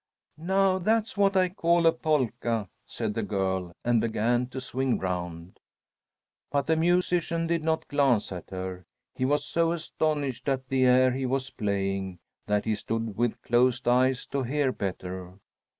"Now, that's what I call a polka!" said the girl, and began to swing round. But the musician did not glance at her. He was so astonished at the air he was playing that he stood with closed eyes, to hear better.